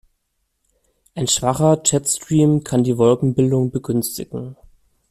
Ein schwacher Jetstream kann die Wolkenbildung begünstigen.